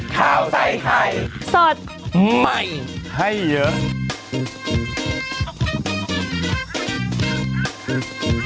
ข่าวใส่ไข่สดใหม่